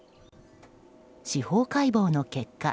司法解剖の結果